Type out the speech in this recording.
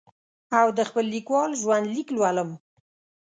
او د خپل لیکوال ژوند لیک لولم.